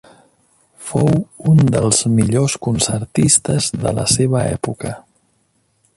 Fou un dels millors concertistes de la seva època.